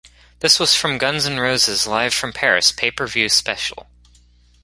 This was from Guns N' Roses live from Paris pay per view special.